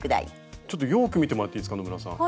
ちょっとよく見てもらっていいですか野村さん。